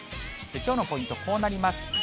きょうのポイント、こうなります。